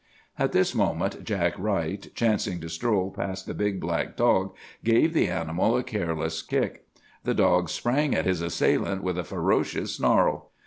"At this moment Jack Wright, chancing to stroll past the big black dog, gave the animal a careless kick. The dog sprang at his assailant with a ferocious snarl.